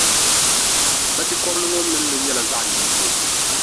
Bachikɔbili ŋɔ mini li nyɛla zaɣʼ yinsi.